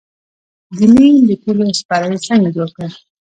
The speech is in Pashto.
د نیم د تیلو سپری څنګه جوړ کړم؟